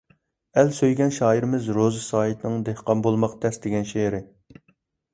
ئەل سۆيگەن شائىرىمىز روزى سايىتنىڭ «دېھقان بولماق تەس» دېگەن شېئىرى.